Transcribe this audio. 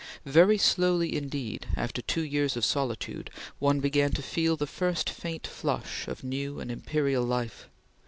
Very slowly, indeed, after two years of solitude, one began to feel the first faint flush of new and imperial life.